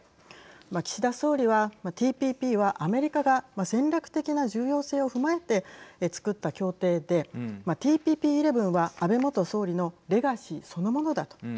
岸田総理は、ＴＰＰはアメリカが戦略的な重要性を踏まえてつくった協定でＴＰＰ１１は安倍元総理のレガシーそのものだと。